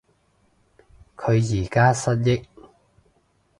佢而家失憶